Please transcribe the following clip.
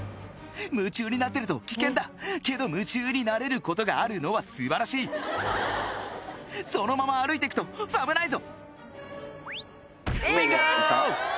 夢中になってると危険だけど夢中になれることがあるのは素晴らしいそのまま歩いてくとファぶないぞビンゴ！